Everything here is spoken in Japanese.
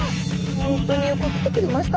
本当によく来てくれました。